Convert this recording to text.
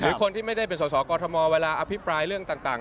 คนที่ไม่ได้เป็นสอสอกอทมเวลาอภิปรายเรื่องต่าง